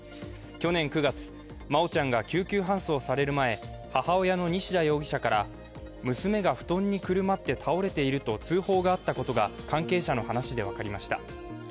去年９月、真愛ちゃんが救急搬送される前、母親の西田容疑者から娘が布団にくるまって倒れていると通報があったことが関係者の話で分かりました。